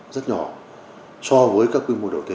rất nhỏ so với các quy mô đầu tư